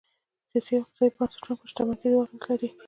سیاسي او اقتصادي بنسټونه پر شتمن کېدو اغېز لري.